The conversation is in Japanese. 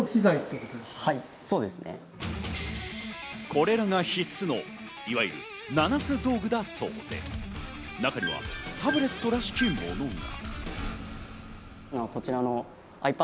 これらが必須のいわゆる七つ道具だそうで、中にはタブレットらしきものが。